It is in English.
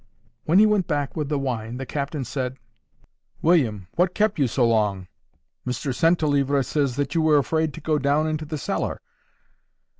—When he went back with the wine, the captain said, "William, what kept you so long? Mr Centlivre says that you were afraid to go down into the cellar."